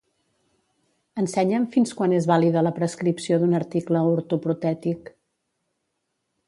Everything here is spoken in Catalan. Ensenya'm fins quan és vàlida la prescripció d'un article ortoprotètic.